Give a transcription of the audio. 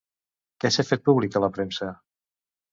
Què s'ha fet públic a la premsa?